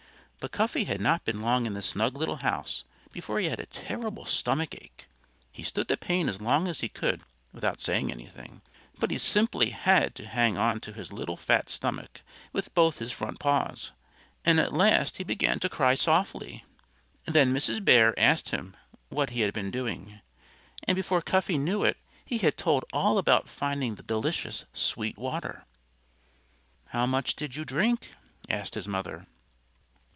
But Cuffy had not been long in the snug little house before he had a terrible stomach ache. He stood the pain as long as he could without saying anything. But he simply had to hang onto his little fat stomach with both his front paws. And at last he began to cry softly. Then Mrs. Bear asked him what he had been doing; and before Cuffy knew it he had told all about finding the delicious, sweet water. "How much did you drink?" asked his mother.